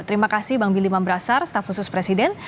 terima kasih bang mili mam brassar staf khusus presiden